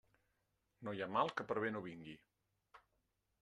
No hi ha mal que per bé no vingui.